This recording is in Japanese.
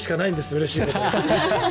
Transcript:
うれしいことが。